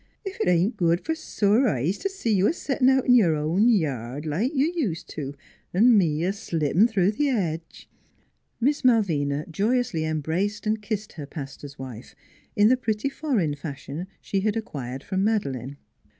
" Ef it ain't good f'r sore eyes t' see you a settin' out in your own yard, like you ust' to, an' me a slippin' through the hedge." Miss Malvina joyously embraced and kissed her pastor's wife, in the pretty foreign fashion she had acquired from Madeleine.